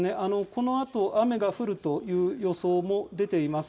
このあと雨が降るという予想も出ています。